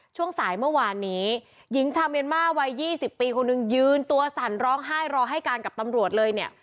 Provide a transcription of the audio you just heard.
ช่วงสายเมื่อวานนี้หญิงชาวเมียนมาร์วัย๒๐ปีคนหนึ่งยืนตัวสั่นร้องไห้รอให้การกับตำรวจเลยเนี่ย